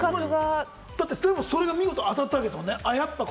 でもそれが見事当たったわけですもんね。